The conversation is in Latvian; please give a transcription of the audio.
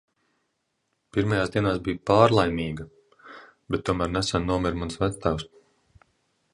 Pirmajās dienās biju pārlaimīga, bet tomēr nesen nomira mans vectēvs.